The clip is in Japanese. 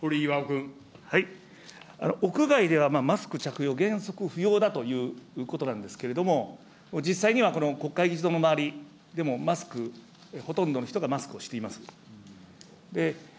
屋外ではマスク着用、原則不要だということなんですけれども、実際には、この国会議事堂の周りでもマスク、ほとんどの人がマスクをしています。